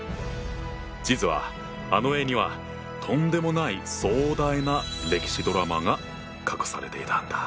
実はあの絵にはとんでもない壮大な歴史ドラマが隠されていたんだ。